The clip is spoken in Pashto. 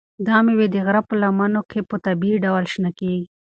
دا مېوې د غره په لمنو کې په طبیعي ډول شنه کیږي.